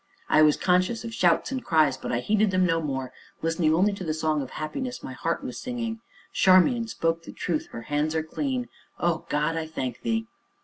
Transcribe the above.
I was conscious of shouts and cries, but I heeded them no more, listening only to the song of happiness my heart was singing: "Charmian spoke truth, her hands are clean. O God, I thank thee!"